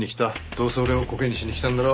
どうせ俺をコケにしに来たんだろ。